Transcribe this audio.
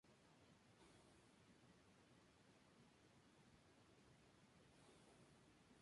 Tiene las características del movimiento arquitectónico modernista Sezession.